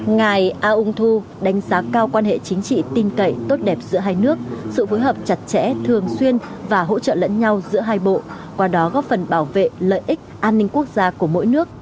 ngài aung thu đánh giá cao quan hệ chính trị tin cậy tốt đẹp giữa hai nước sự phối hợp chặt chẽ thường xuyên và hỗ trợ lẫn nhau giữa hai bộ qua đó góp phần bảo vệ lợi ích an ninh quốc gia của mỗi nước